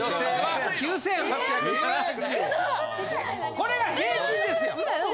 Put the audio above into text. これが平均ですよ。